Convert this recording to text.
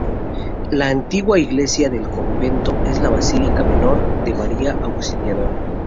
La antigua iglesia del convento es la basílica menor de María Auxiliadora.